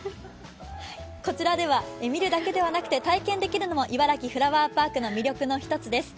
こちらでは見るだけではなくて体験できるのもいばらきフラワーパークの魅力の一つです。